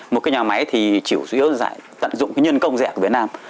một cái nhà máy thì chỉ dụ dễ dàng tận dụng nhân công rẻ của việt nam